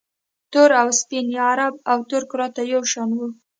تور او سپین یا عرب او ترک راته یو شان وو